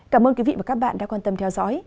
cảm ơn quý vị và các bạn đã quan tâm theo dõi